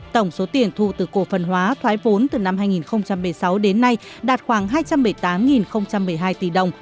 tổng số tiền thu từ cổ phần hóa thoái vốn từ năm hai nghìn một mươi sáu đến nay đạt khoảng hai trăm bảy mươi tám một mươi hai tỷ đồng